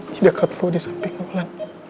di dekat lo di samping lo